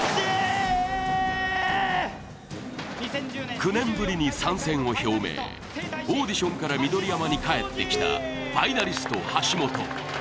９年ぶりに参戦を表明、オーディションから緑山に帰ってきたファイナリスト、橋本。